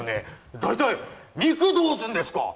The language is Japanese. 大体肉どうすんですか？